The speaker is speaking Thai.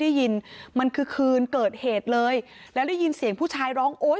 ได้ยินมันคือคืนเกิดเหตุเลยแล้วได้ยินเสียงผู้ชายร้องโอ๊ย